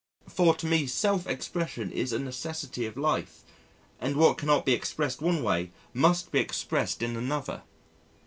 For to me self expression is a necessity of life, and what cannot be expressed one way must be expressed in another.